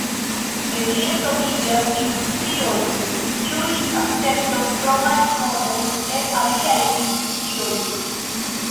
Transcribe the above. Nenie troviĝas industrioj, kiuj akceptos kromajn homojn el aliaj industrioj.